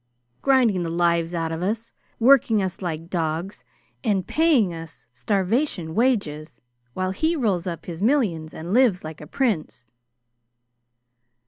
Grinding the lives out of us! Working us like dogs, and paying us starvation wages, while he rolls up his millions and lives like a prince!"